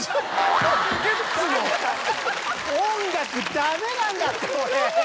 音楽ダメなんだって俺。